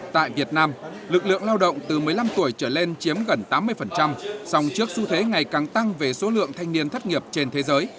tại việt nam lực lượng lao động từ một mươi năm tuổi trở lên chiếm gần tám mươi dòng trước xu thế ngày càng tăng về số lượng thanh niên thất nghiệp trên thế giới